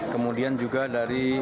kemudian juga dari